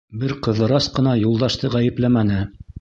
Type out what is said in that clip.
Бер Ҡыҙырас ҡына Юлдашты ғәйепләмәне.